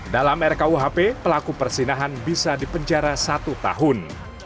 dalam rkuhp pelaku persinahan bisa dipenjara satu tahun